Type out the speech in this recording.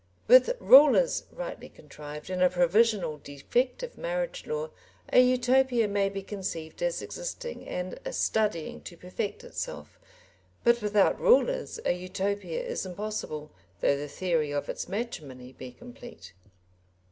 With rulers rightly contrived and a provisional defective marriage law a Utopia may be conceived as existing and studying to perfect itself, but without rulers a Utopia is impossible though the theory of its matrimony be complete.